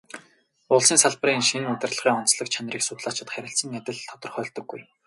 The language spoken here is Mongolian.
Улсын салбарын шинэ удирдлагын онцлог чанарыг судлаачид харилцан адил тодорхойлдоггүй.